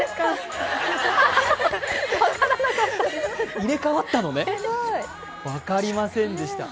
入れ替わったのね、分かりませんでした。